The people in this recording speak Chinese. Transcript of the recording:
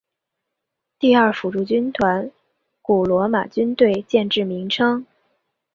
第二辅助军团古罗马军队建制名称。